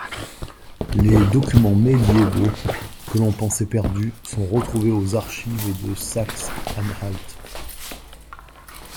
Les documents médiévaux que l'on pensait perdus sont retrouvés aux archives de Saxe-Anhalt.